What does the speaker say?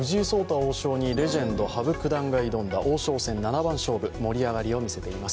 王将にレジェンド・羽生九段が挑んだ王将戦七番勝負、盛り上がりを見せています。